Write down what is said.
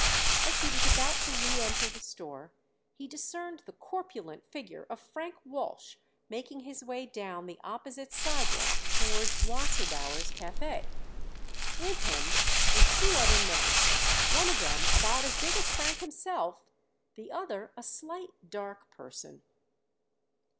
As he was about to reënter the store he discerned the corpulent figure of Frank Walsh making his way down the opposite sidewalk toward Wasserbauer's Café. With him were two other men, one of them about as big as Frank himself, the other a slight, dark person.